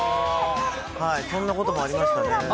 そんなこともありましたね。